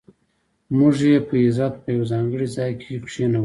موږ یې په عزت په یو ځانګړي ځای کې کېنولو.